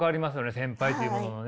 先輩というもののね。